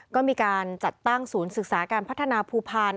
ก็มีการจัดตั้งศูนย์ศึกษาการพัฒนาภูพาล